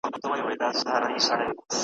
نوم مي دي پر هره مرغلره درلیکلی دی `